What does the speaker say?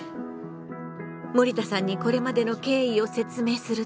森田さんにこれまでの経緯を説明すると。